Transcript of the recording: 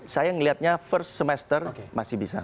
saya melihatnya first semester masih bisa